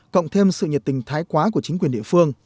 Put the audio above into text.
cộng thêm sự nhiệt tình thái quá của chính quyền địa phương